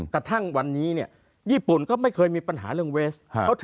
กระทั่งวันนี้เนี่ยญี่ปุ่นก็ไม่เคยมีปัญหาเรื่องเวส